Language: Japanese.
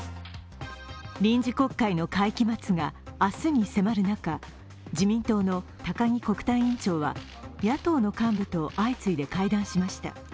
臨時国会の会期末が明日に迫る中、自民党の高木国対委員長は、野党の幹部と相次いで会談しました。